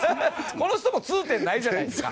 この人も痛点ないじゃないですか。